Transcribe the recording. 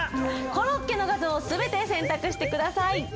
コロッケの画像を全て選択してください。